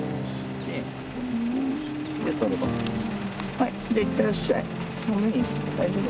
はいじゃ行ってらっしゃい。